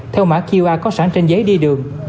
theo mã qr có sẵn trên giấy đi đường